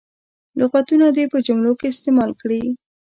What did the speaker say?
لغتونه دې په جملو کې استعمال کړي.